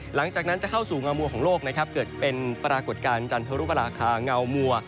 หลังจากนั้นจะเข้าสู่เงามัวของโลกนะครับเกิดเป็นปรากฏการณ์จันทรุปราคาเงามัว